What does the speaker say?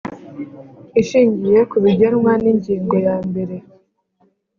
Ishingiye ku bigenwa n ingingo ya mbere